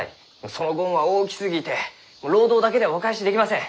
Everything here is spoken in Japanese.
そのご恩は大きすぎて労働だけではお返しできません。